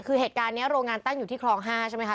คือเหตุการณ์นี้โรงงานตั้งอยู่ที่คลอง๕ใช่ไหมคะ